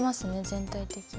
全体的に。